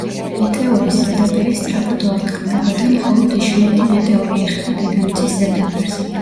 მეტეორის ზედაპირი სწრაფად ორთქლდება და მხოლოდ იშვიათი მეტეორი ეხება დედამიწის ზედაპირს.